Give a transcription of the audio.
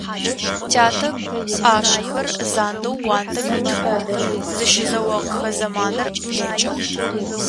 Тятэ пӏашъэхэр зандэу уанэм итхэу зыщызэогъэхэ зэманыр блэкӀыгъ.